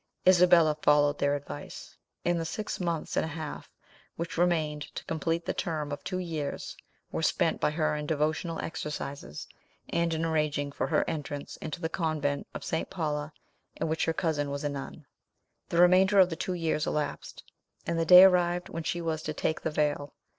Isabella followed their advice; and the six months and a half which remained to complete the term of two years were spent by her in devotional exercises, and in arranging for her entrance into the convent of Santa Paula, in which her cousin was a nun. The remainder of the two years elapsed, and the day arrived when she was to take the veil.